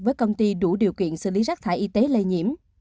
với công ty đủ điều kiện xử lý rác thải y tế lây nhiễm